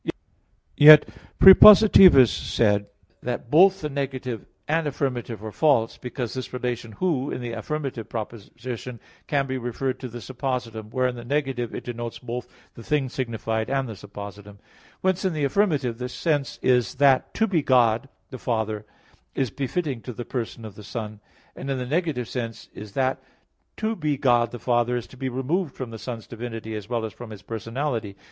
Yet Prepositivus said that both the negative and affirmative are false, because this relative "Who" in the affirmative proposition can be referred to the suppositum; whereas in the negative it denotes both the thing signified and the suppositum. Whence, in the affirmative the sense is that "to be God the Father" is befitting to the person of the Son; and in the negative sense is that "to be God the Father," is to be removed from the Son's divinity as well as from His personality.